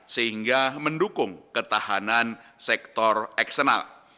sehingga mendukung ketahanan sektor eksternal